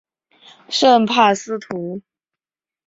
圣帕斯图。